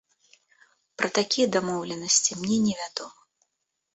Пра такія дамоўленасці мне невядома.